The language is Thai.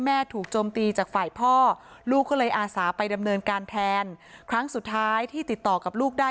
ถูกโจมตีจากฝ่ายพ่อลูกก็เลยอาสาไปดำเนินการแทนครั้งสุดท้ายที่ติดต่อกับลูกได้